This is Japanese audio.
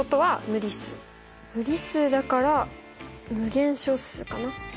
無理数だから無限小数かな。